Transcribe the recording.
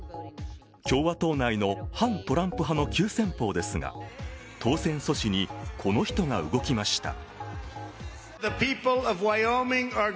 共和党内の反トランプ派の急先ぽうですが当選阻止にこの人が動きました。